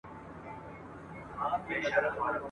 له تېغونو به سرې ويني راڅڅېږي !.